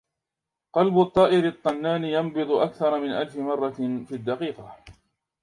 قلب الطائر الطنان ينبض أكثر من ألف مرة في الدقيقة.